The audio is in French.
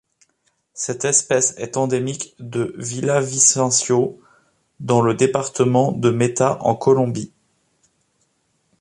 Cette espèce est endémique de Villavicencio dans le département de Meta en Colombie.